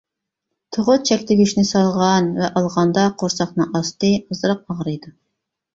تۇغۇت چەكلىگۈچنى سالغان ۋە ئالغاندا قورساقنىڭ ئاستى ئازراق ئاغرىيدۇ.